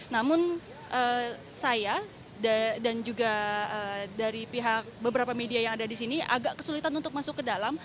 namun saya dan juga dari pihak beberapa media yang ada di sini agak kesulitan untuk masuk ke dalam